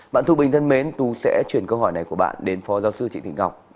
bạn thu bình thân mến tú sẽ chuyển câu hỏi này của bạn đến phó giáo sư chị thị ngọc